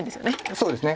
そうですね。